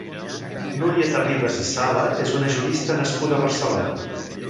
Núria Terribas i Sala és una jurista nascuda a Barcelona.